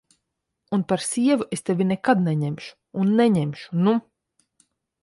Un par sievu es tevi nekad neņemšu un neņemšu, nu!